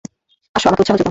আসো, আমাকে উৎসাহ জোগাও!